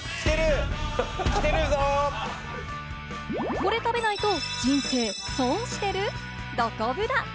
これ食べないと人生損してる？！